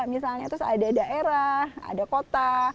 misalnya terus ada daerah ada kota